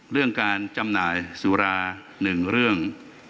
เรื่องการจำหน่ายสุรา๑เรื่อง